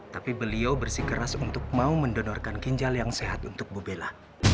tapi beliau bersikeras untuk mau mendonorkan ginjal yang sehat untuk bu bella